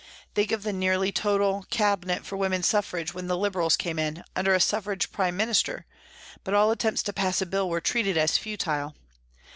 Think of the nearly total Cabinet for Woman Suffrage when the Liberals came in, under a Suffrage Prime Minister, but all attempts to pass a Bill were treated as futile.